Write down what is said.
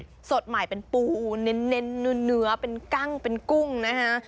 สดใหม่เป็นปูเน้นเนื้อเป็นกั้งเป็นกุ้งนะฮะ